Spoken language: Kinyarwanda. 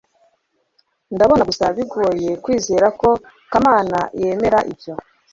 ndabona gusa bigoye kwizera ko kamana yemera ibyo